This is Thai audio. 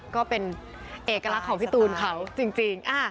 ก็เป็นเอกลักษณ์ของพี่ตูนเขาจริง